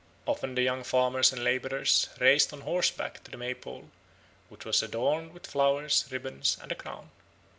Often the young farmers and labourers raced on horseback to the May pole, which was adorned with flowers, ribbons, and a crown.